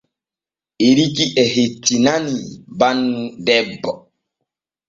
Eriki e hettinanii bannun debbo.